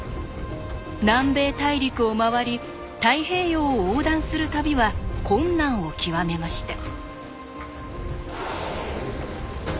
南米大陸を回り太平洋を横断する旅は困難を極めました。